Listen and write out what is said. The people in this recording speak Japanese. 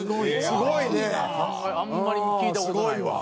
すごいわ。